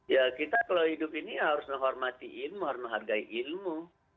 ya kita kalau hidup ini harus menghormati ilmu harus menghargai ilmu